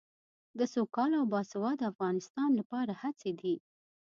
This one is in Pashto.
د سوکاله او باسواده افغانستان لپاره هڅې دي.